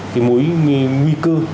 cái mối nguy cư